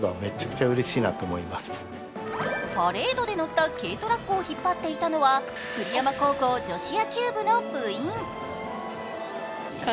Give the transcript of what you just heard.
パレードで乗った軽トラックを引っ張っていたのは、栗山高校女子野球部の部員。